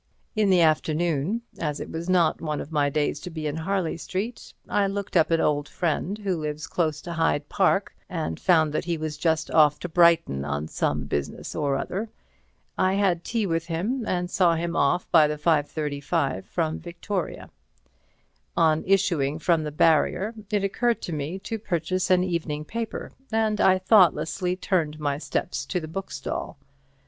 In the afternoon, as it was not one of my days to be in Harley Street, I looked up an old friend who lives close to Hyde Park, and found that he was just off to Brighton on some business or other. I had tea with him, and saw him off by the 5:35 from Victoria. On issuing from the barrier it occurred to me to purchase an evening paper, and I thoughtlessly turned my steps to the bookstall.